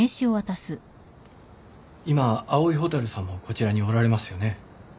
今蒼井蛍さんもこちらにおられますよね？